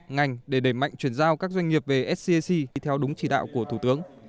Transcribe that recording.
ngành để đẩy mạnh chuyển giao các doanh nghiệp về scic theo đúng chỉ đạo của thủ tướng